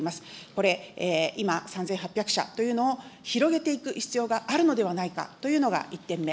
これ今、３８００社というのを広げていく必要があるのではないかというのが１点目。